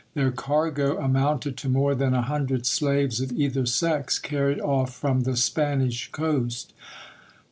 Their cargo amounted to more than a hundred slaves of either sex, carried off from the Spanish coast.